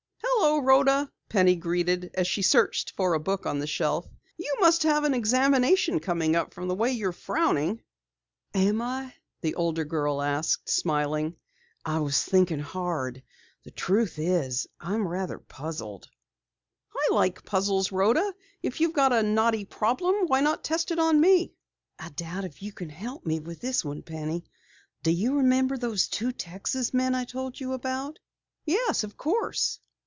"Hello, Rhoda," Penny greeted as she searched for a book on the shelf. "You must have an examination coming up from the way you are frowning!" "Am I?" the older girl asked, smiling. "I was thinking hard. The truth is, I am rather puzzled." "I like puzzles, Rhoda. If you have a knotty problem, why not test it on me?" "I doubt if you can help me with this one, Penny. Do you remember those two Texas men I told you about?" "Yes, of course."